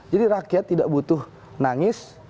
jadi rakyat tidak butuh nangis